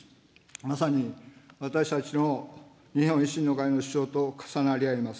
まさに私たちの日本維新の会の主張と重なり合います。